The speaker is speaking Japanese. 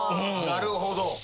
なるほど。